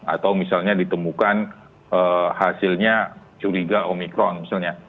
atau misalnya ditemukan hasilnya curiga omikron misalnya